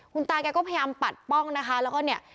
คุณตาแกก็พยายามปัดป้องนะคะแล้วก็เนี่ย